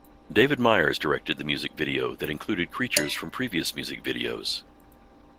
David Meyers directed the music video, that included creatures from previous music videos.